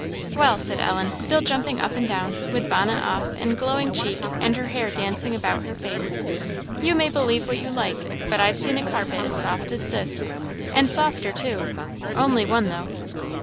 "Well," said Ellen, still jumping up and down, with bonnet off, and glowing cheek, and her hair dancing about her face, "you may believe what you like; but I've seen a carpet as soft as this, and softer too only one, though."